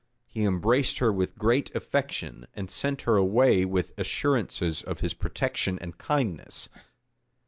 He embraced her with great affection, and sent her away with assurances of his protection and kindness.